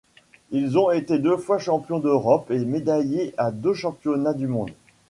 Ils ont été deux fois champions d'Europe et médaillés à deux championnats du monde.